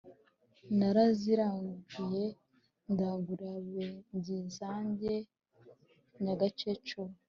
naraziraguye ndagurira benginzage nyagakecuru